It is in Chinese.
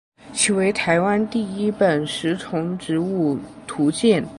其为台湾第一本食虫植物图鉴。